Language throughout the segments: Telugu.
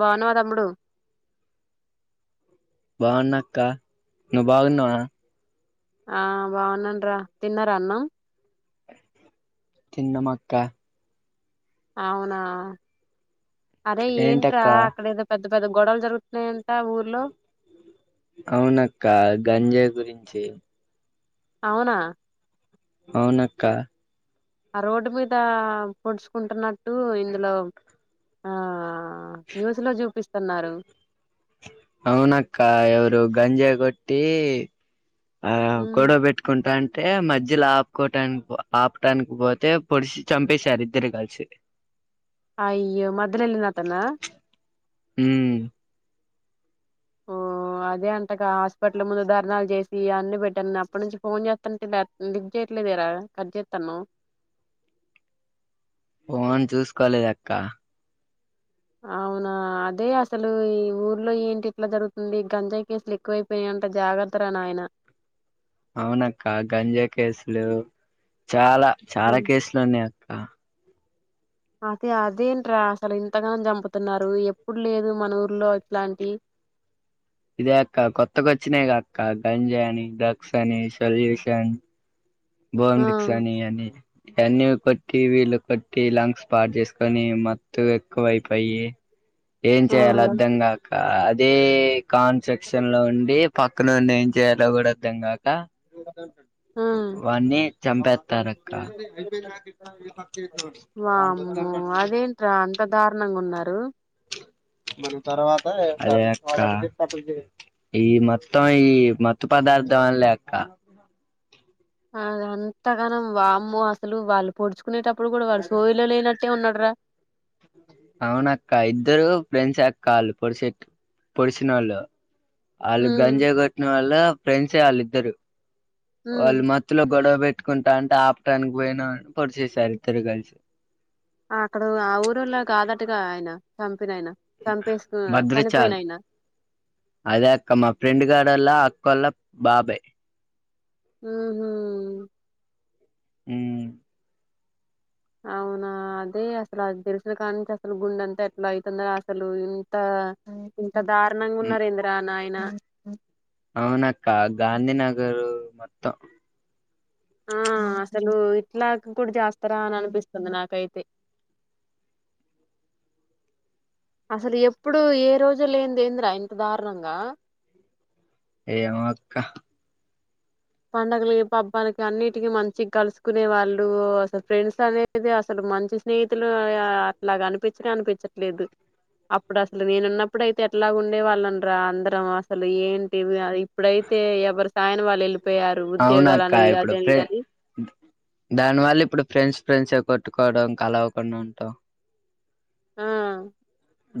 బాన్నావా తమ్ముడు బాగున్నాక్క నువ్ బాగున్నావా ఆ బాగున్నాం రా తిన్నారా అన్న తిన్నాం అక్క అవునా అరే ఏంట్రా ఏంటక్క అక్కడ ఏదో పెద్ద పెద్ద గొడవలు జరుగుతున్నయ అవునక్క గంజాయి గురించి అవునా అవునక్క ఆ రోడ్డు మీద పొడుచుకుంటున్నట్టు ఇందులో ఆ న్యూస్ లో చూపిస్తున్నారు అవునక్క ఎవరు గంజా కొట్టి ఆ ఉమ్ గొడవ పెట్టుకుంటాన్ టే మధ్యలో ఆపుకోటానికి, ఆపటానికి పోతే పొడిసి చంపేశారు ఇద్దరు కలిసి. అయ్యో మధ్యలో వెళ్ళిన అతనా ఉమ్ ఓ ఓ అదే అంటగా హాస్పిటల్ ముందు ధర్నాలు చేసి, అన్ని పెట్టాను న అప్పటి నుంచి ఫోన్ చేస్తుంటే లిఫ్ట్ చే ట్లేదరా కట్ జెత్తనవ్ ఫోన్ చూసుకోలేద్ అక్క అవునా అదే అసలు ఈ ఊర్లో ఏంటి ఇట్లా జరుగుతుంది, గంజాయి కేసులు ఎక్కువైపోయా. అంట జాగ్రత్త రా నాయన అవునక్క గంజాయి కేసులు చాలా, చాలా ఉమ్. కేసులు ఉన్నయి అ అదే అదేంట్రా అసలు ఇంతగానం చంపుతున్నారు, ఎప్పుడు లేదు మన ఊర్లో ఇట్లాంటి. ఇదే అక్క కొత్త గొచ్చినాయిగాక్క గంజాయ్ అని డ్రగ్స్ అని సొల్యూషన్ ఆ బోబ్మిక్స్ ని అని టన్నీవి కొట్టి వీళ్లుు కొట్టి లంగ్స్ పార్ చేసుకొని మత్తు ఎక్కువ అయిపోయి ఏం ఆ చేయాల అర్ధంగాక అదే కాన్స్ట్రక్షన్ లో ఉండి పక్కన నొన్ని ఏం చేయాలో కూడాద్దాం కాక ఆ వాన్ని చంపెత్తారక్క వామ్మో అదేంట్రా అంత దారుణంగా ఉన్నారు మరి తరవా అదే అక్క ఈ మొత్తం ఈ మత్తు పదార్ధ వల్లే అక్క అది అంతగానం వామ్మో అసలు వాళ్ళు పోడ్చు కునేటప్పుడు కూడా వాళ్ళ సోయలో లేనట్టే ఉన్నడు రా అవున అక్క ఇద్దరు ఫ్రెండ్స్ అక్క ఆల్ పొడిస్ పొడిసినోళ్ళు వాళ్ళు ఉమ్ గంజా కొట్టిన వాళ్ళ ఫ్రెండ్సే వాళ్ళు ఇద్దరు ఉమ్ వాళ్ళు మత్తులో గొడవ పెట్టుకుంటా అంటే ఆపటానికి పోయినా పొడిచేసారు ఇద్దరు కలిసి అక్కడ ఆ ఊరులో కాదట్టుగా ఆయన సం భద్రాచల్ ఆయన అదే అక్క మా ఫ్రెండ్ గాడోల్ల అ కొల్లా బాబయ్ ఉ హూ హ్మ్ అవునా అదే అసలు తెలుసినకా నుంచీ అసలు గుండె అంతా ఎట్లా అవుతుంద అసలు ఇంత ఇంత దారుణంగా ఉన్నారు ఇంద్రా నాయన. అవునక్క గాంధీనగరు మొత్తం. ఆ అసలు ఇట్లా కూడా చేస్తారా అనిపిస్తుంది నాకైతే. అసలు ఎప్పుడు ఏ రోజు లేని దేంద్రా ఇంత దారుణంగా. ఏమో అక్కా పండగలు పబ్బానికి అన్నిటికి మంచి కలుసుకునే వాళ్ళు అసలు ఫ్రెండ్స్ అనేది అసలు మంచి స్నేహితులు అట్లాగానిపించనే అనిపించట్లేదు. అప్పుడు అసలు నేనున్నప్పుడు అయితే ఎట్లాగుండే వాళ్ళమ్రా అందరం అసలు ఏంటివి ఇప్పుడైతే ఎవరి సాయన వాళ్ళు వెళ్ళి అవునక్క ఇప్పుడు ఫె దానివల్ల ఇప్పుడు ఫ్రెండ్స్ ఫ్రెండ్స్ కొట్టుకోవడం కలవకుండా ఉంటం ఆ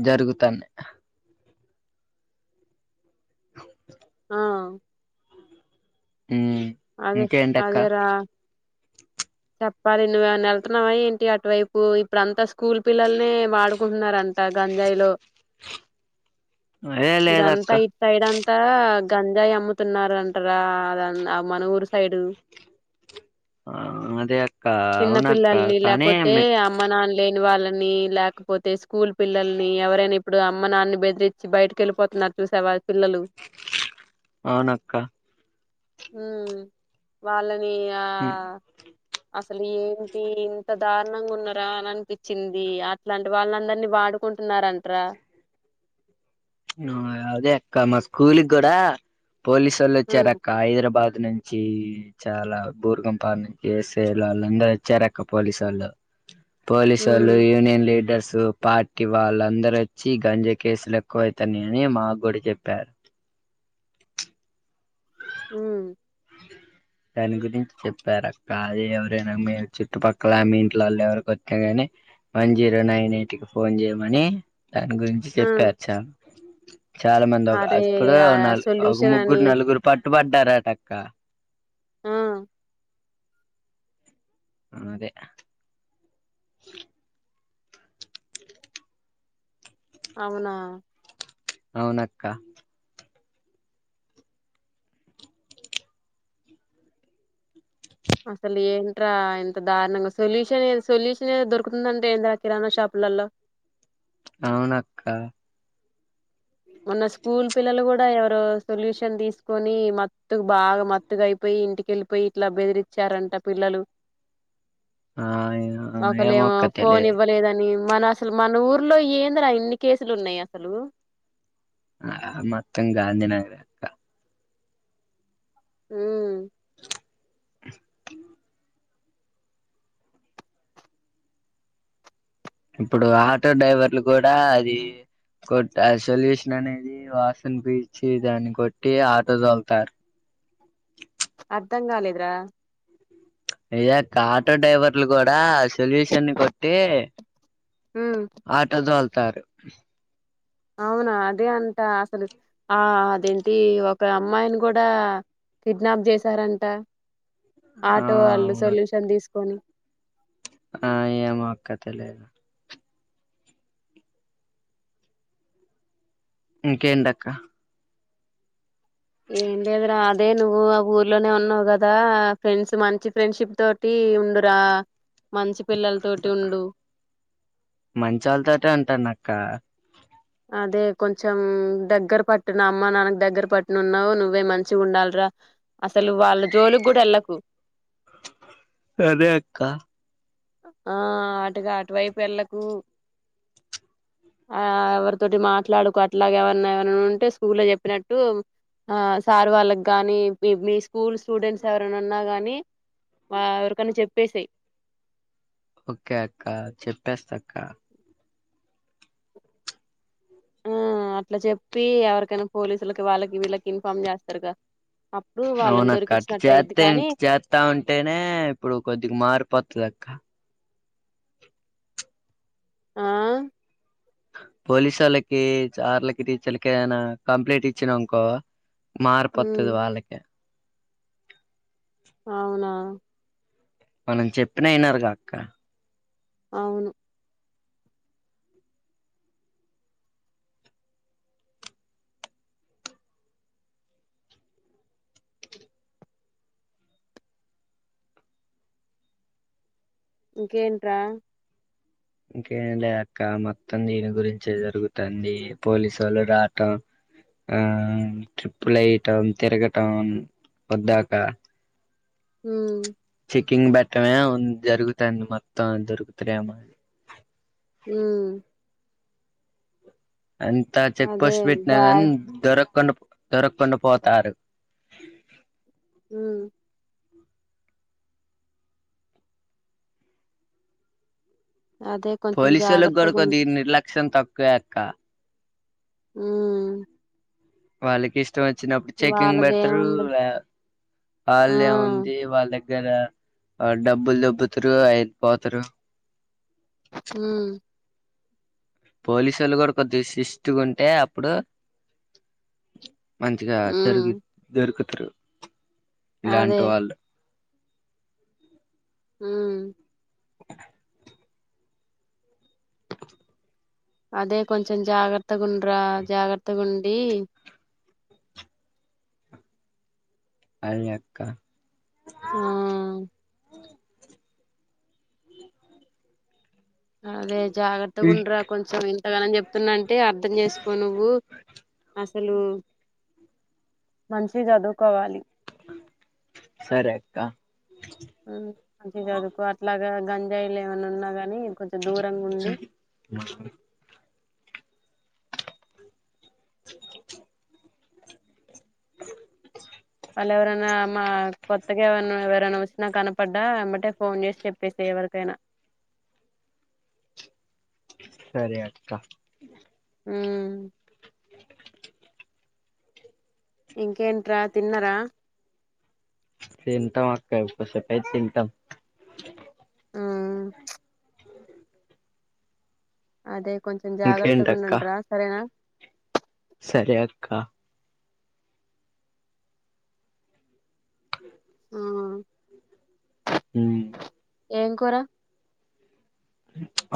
జరుగుతానయ్ అ ఆ ఉమ్ అదే ఇంకేంటక్క అదే రా చెప్పాలి నువ్వెవన్నా వెళ్తున్నావా ఏంటి అటువైపు ఇప్పుడు అంతస్ స్కూల్ పిల్లల్నీ వాడుకుంటున్నారంట గంజాయిలో. అదే లేదక్క ఇదంతా ఇట్ సైడ్ అంతా గంజాయి అమ్ముతున్నారంటరా అంటరా మనుగూరు సైడు. ఆ అదే అక్క చిన్న అవునక్క పిల్లల్ని కానీ లేపోతే అమ్మ నాన్నలే వాళ్ళని లేకపోతే స్కూల్ పిల్లల్ని ఎవరైనా ఇప్పుడు అమ్మ నాన్నన్ని బెదిరిచ్చి బయటకి వెళ్ళిపోతున్నార్ చూసావా పిల్లలు అవునక్క హ్మ్ వాళ్ళని ఆ ఉమ్ అసలు ఏంటి ఎంత దారుణంగా ఉన్నరా అని అనిపిచ్చింది అట్లాంటి వాళ్ళ అందరినీ వాడుకుంటున్నారంటార. ను అదే అక్క మా స్కూల్కి కూడా పోలీసు ఓళ్ళు ఉమ్ వచ్చారు అక్క హైదరాబాద్ అ నుంచి చాలా బూర్గంపాడ్ నుంచి ఎస్సై వాళ్ళందరుూ వచ్చారు అక్క పోలీసోళ్ళు. ఉమ్ పోలీసోళ్ళు యూనియన్ లీడర్స్ పార్టీ వాళ్ళందరు వచ్చి గంజా కేసులు తక్కువైతని అని మావ గ్గూడ చెప్పా. హ్మ్ దాని గురించి చెప్పారక్క అది ఎవరైనా మేము చుట్టుపక్కల మీ ఇంట్లోళ్ళ ఎవరికొత్తే గాని వన్ జీరో నైన్ ఎయిట్ కి ఫోన్ చేయమని దాని గురించి ఉమ్ చెప్పారు చాలా చాలా మంది ఒక అరే అప్పుడు ఆ న ఒక సొల్యూషన్ అని ముగ్గురు నలుగురు పట్టు పడ్డారుటక్క. ఆ అదే అవునా అవునక్క అసలు ఏంటరా ఇంత దార్ణంగా సొల్యూషన్ సొల్యూషన్ ఏ దొరుకుతుంద అంట ఏందరా కిరాణా షాప్ లల్లో అవునక్క మొన్న స్కూల్ పిల్లలు కూడా ఎవరో సొల్యూషన్ తీసుకొని మత్ తుకు బాగా మత్తుగా అయిపోయి ఇంటికెళ్ళిపోయి ఇట్లా బెదిరిచ్చారంట పిల్లలు ఆ ఒకలేమో ఏమోక్క ఫోన్ తెలిదు ఇవ్వలేదని మన అసలు మన ఊర్లో ఏందిరా ఇన్ని కేసులు ఉన్నాయి అసలు ఆ మొత్తం గాంధీ నగర్ అక్క ఊమ్ అ ఇప్పుడు ఆటో డ్రైవర్లు కూడా అది కొట్ సొల్యూషన్ అనేది వాసన్ పీల్చి దాన్ని కొట్టి ఆటో తొలుతారు. అర్ధం కాలేదురా? ఎక్కా ఆటో డ్రైవర్లు కూడా దా సొల్యూషన్ కొట్టే ఉమ్ ఆటో తోల్తారు. అవునా అదే అంట అసలు ఆ అదేంటి ఒక అమ్మాయిని కూడా కిడ్నాప్ చేసారంట ఆ ఆటో వాళ్ళు సొల్యూషన్ తీసుకొని ఆ ఏమోఅక్క తెలేదు. ఇంకేంటఅక్క ఏం లేదురా అదే నువ్వు ఆ ఊర్లోనే ఉన్నావు కదా ఫ్రెండ్స్ మంచి ఫ్రెండ్షిప్ తోటి ఉండురా మంచి పిల్లలతోటి ఉండు మంచోళ్ళతోటే ఉంటానక్క అదే కొంచెం దగ్గర పట్టున అమ్మా నాన్నకు దగ్గర పట్టునన్నావు నువ్వే మంచిగా ఉండాలిరా. అసలు వాళ్ళ జోలుకి కూడా వెళ్ళకు అదే అక్క ఆ అటుగా అటువైపుఏళ్ళకు ఆ ఎవరితోటి మాట్లాడుకో అట్లాగ ఎవరన్నా ఏవన్నా ఉంటే స్కూల్లో చెప్పినట్టు ఆ సార్ వాళ్ళకి గాని మీ మీ స్కూల్ స్టూడెంట్స్ ఎవరైనా ఉన్నా గాని ఆ ఎవరికన్నా చెప్పేసేయి ఓకే అక్క చెప్పేస్తా అక్క ఆ అట్లా చెప్పి ఎవరికైనా పోలీసులకి వాళ్ళకి వీళ్ళకి ఇన్ఫార్మ్ చేస్తారుగా అప్పుడు వాళ్ళని అవున అక్క అ దొరికిచ్చినట్టు అయిద్ది చెత్తే కానీ ఇట చెత్తా ఉంటేనే ఇప్పుడు కొద్దిగా మారిపోతది అక్క ఆ పోలీసు ఓళ్ళకి సార్లకి టీచర్లకి ఏనా కంప్లైంట్ ఇచ్చినానుకో ఉమ్ మార్పువత్తది వాళ్ళకే అవునా మనం చెప్పిన ఇనారు కాక్క అవును ఇంకేంటి రా ఇంకేం లే అక్క మొత్తం దీని గురించే జరుగుతుంది పోలీసు ఓళ్ళు రాటం ఆ ట్రిప్పుల్ ఏయటం తిరగటం పద్దాకా హ్మ్ కింగ్ పెట్టమే ఉంద్ జరుగుతుంది మొత్తం దొరుకుతరెమో ఉమ్ అంతా చెక్ అదే పస్ట్ పెట్నగాన్ బ్యాగ్ దొరక్ కొండు దొరక్కుండా పోతారు. హ్మ్ అదే కొంచెం పోలీసు ఓల్లకు కూడా జాగ్రత్తగా ఉండు కొద్దిగా నిర్లక్ష్యం తక్కువే అక్క ఉమ్ వాళ్ళకిష్ త్ వచ్చినప్పుడు చెకింగ్ బెడతరు వాళ్ళదేముంది వా ఆ వాల్లే ఉంది వాళ్ళ దగ్ కదా డబ్బులు దబ్బతరు అయిపోతరు ఉమ్ పోలీసోళ్ళు కూడా కొద్దిషిస్ట్ గా ఉంటే అప్పుడు మంచిగా ఉమ్ జరిగి దొరుకుతారు అదే ఇలాంటి వాళ్ళు హ్మ్ అదే కొంచెం జాగ్రత్తగా ఉండ్రా, జాగ్రత్తగా ఉండి. అయి అక్క ఆ అదే జాగ్రత్తగా ఉయ్, ఉండరా కొంచెం ఇంతగనం చెప్తున్నా అంటే అర్ధం చేసుకో నువ్వు అసలు మంచిగ చదువుకోవాలి సరే అక్క మ్మ్ మంచిగ చదువుకో అట్లాగా గంజాయిలు ఏమైన్నా ఉన్నా గానీ కొంచెం దూరంగుండి వాళ్ళు ఎవరన్నా మా కొత్తగానా ఎవరన్నా వచ్చినా కనపడ్డా ఎంబటే ఫోన్ చేసి చెప్పేసే ఎవరికైనా సరే అక్కా ఊ ఇంకేంట్రా తిన్నారా తింటాం అక్కా కోసేపు ఐతే తింటాం మ్మ్ అదే కొంచెం జాగ్రత్తగా ఇంకేంటక్క ఉండండ్రా సరేనా సరే అక్క ఊ ఊమ్ ఏం కూర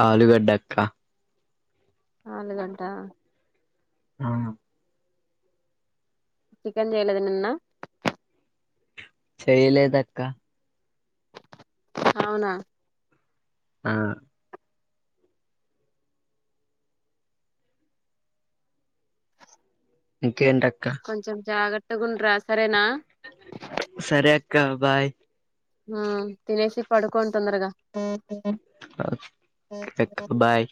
ఆలుగడ్డక్క ఆలుగడ్డా ఆ చికెన్ చేయ్యలేదా నిన్న చేయ్యలేదక్క అవునా ఆ ఇంకేంటక్క కొంచెం జాగ్రత్తగ ఉండ్రా సరేనా క్కా బాయ్ హా తినేసి పడుకొండి తొందరగా ఆ [unintelligible] బాయ్